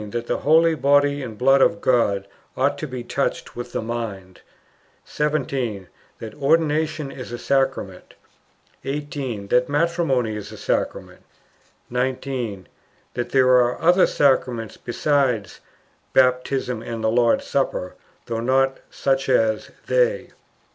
That the holy Body and Blood of thy God ought to be touched with the mind. 17. That Ordination is a Sacrament. 18. That Matrimony is a Sacrament. 19. That there are other Sacraments besides "Baptism and the Lord's Supper," though not "such as" they.